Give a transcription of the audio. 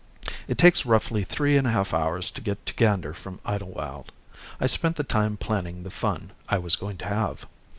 It takes roughly three and a half hours to get to Gander from Idlewild. I spent the time planning the fun I was going to have.